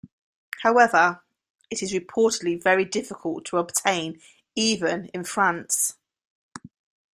However, it is reportedly very difficult to obtain even in France.